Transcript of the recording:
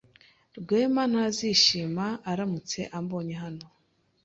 Rwema ntazishima aramutse ambonye hano.